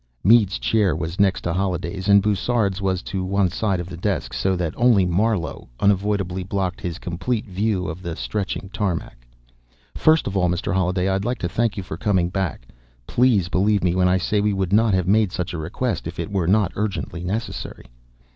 Mead's chair was next to Holliday's, and Bussard's was to one side of the desk, so that only Marlowe, unavoidably, blocked his complete view of the stretching tarmac. "First of all, Mr. Holliday, I'd like to thank you for coming back. Please believe me when I say we would not have made such a request if it were not urgently necessary."